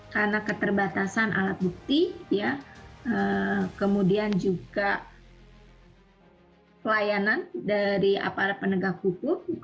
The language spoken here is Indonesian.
karena keterbatasan alat bukti kemudian juga pelayanan dari aparat penegak hukum